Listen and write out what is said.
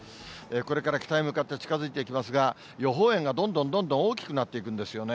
これから北へ向かって近づいていきますが、予報円がどんどんどんどん大きくなっていくんですよね。